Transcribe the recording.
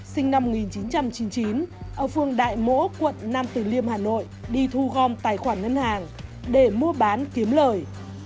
sinh năm một nghìn chín trăm chín mươi chín ở phương đại mỗ quận nam từ liêm hà nội đi thu gom tài khoản ngân hàng để mua bán kiếm lời